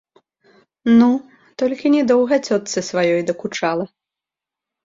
Ну, толькі не доўга цётцы сваёй дакучала.